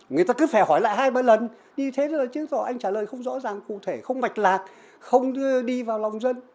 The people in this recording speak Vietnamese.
người ta cứ phải hỏi lại hai ba lần như thế là chứng tỏ anh trả lời không rõ ràng cụ thể không mạch lạc không đi vào lòng dân